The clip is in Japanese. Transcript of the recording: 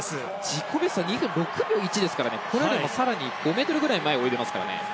自己ベストが２分６秒１ですからこれよりも最後に５ｍくらい前を泳いでいますから。